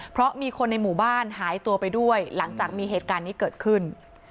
เพราะมีคนในหมู่บ้านหายตัวไปด้วยหลังจากมีเหตุการณ์นี้เกิดขึ้น